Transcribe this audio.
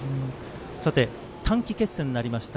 さて短期決戦になりました